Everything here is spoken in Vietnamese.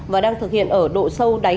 và đang thực hiện ở độ sâu đáy